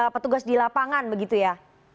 petugas di lapangan begitu ya